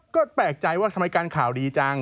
ก็แปลกใจว่าทำไมการข่าวดีจัง